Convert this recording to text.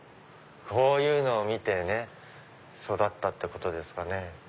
こういうのを見てね育ったってことですかね。